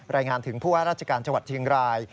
รายงานถึงผู้ว่าราชการจังหวัดเชียงราย